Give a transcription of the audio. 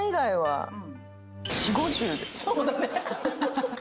そうだね。